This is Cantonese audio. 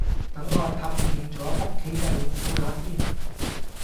等我氹掂左屋企隻老虎乸先